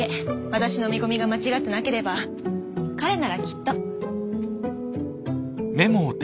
私の見込みが間違ってなければ彼ならきっと。